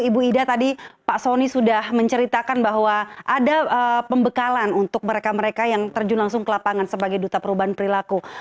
ibu ida tadi pak soni sudah menceritakan bahwa ada pembekalan untuk mereka mereka yang terjun langsung ke lapangan sebagai duta perubahan perilaku